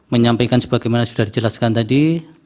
menyampaikan sebagaimana sudah dijelaskan tadi